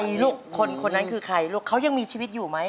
มีลูกคนคนนั้นคือใครลูกเขายังมีชีวิตอยู่ไหม